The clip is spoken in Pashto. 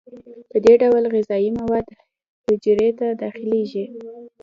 په دې ډول غذایي مواد حجرې ته داخلیږي.